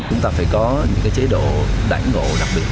chúng ta phải có những chế độ đại ngộ đặc biệt